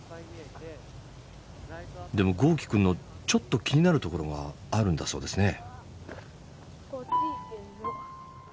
でも豪輝くんのちょっと気になるところがあるんだそうですね。